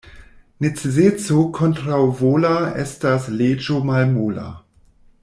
Neceseco kontraŭvola estas leĝo malmola.